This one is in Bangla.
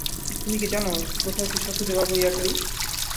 তুমি কি জানো, কোথায় তুষার খুঁজে পাব, ইয়াকারি?